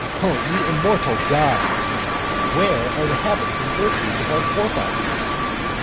VIII. O ye immortal gods! where are the habits and virtues of our forefathers?